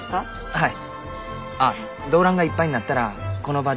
はい。